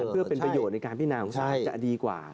เพื่อเป็นประโยชน์ในการพินาของศาลจะดีกว่า